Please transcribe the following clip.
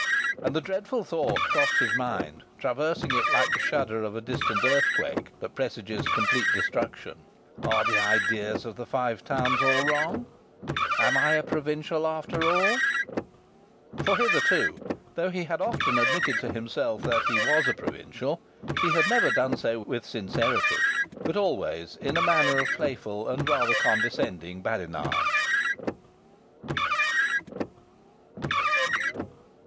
And the dreadful thought crossed his mind, traversing it like the shudder of a distant earthquake that presages complete destruction: "Are the ideas of the Five Towns all wrong? Am I a provincial after all?" For hitherto, though he had often admitted to himself that he was a provincial, he had never done so with sincerity: but always in a manner of playful and rather condescending badinage.